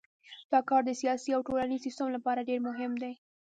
دا کار د سیاسي او ټولنیز سیستم لپاره ډیر مهم دی.